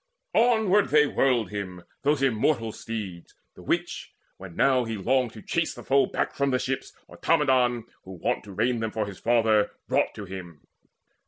Onward they whirled him, those immortal steeds, The which, when now he longed to chase the foe Back from the ships, Automedon, who wont To rein them for his father, brought to him.